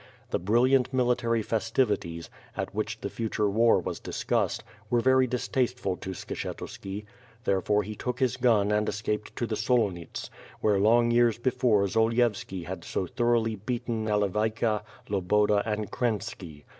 The brilliant military festivities, at which the future war was discussed, were very distasteful to Skshetuski. Therefore he took his gun and escaped to the Solonits, where long years before Zolievski had so thoroughly beaten Nale vayka, Loboda, and Krenpski.